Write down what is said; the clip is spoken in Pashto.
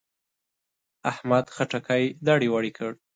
احمد خټکی دړې دړې کړ.